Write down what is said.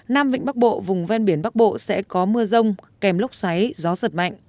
nam vịnh bắc bộ vùng ven biển bắc bộ sẽ có mưa rông kèm lốc xoáy gió giật mạnh